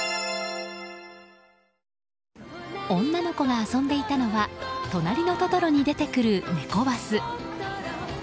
女の子が遊んでいたのは「となりのトトロ」に出てくるネコバス。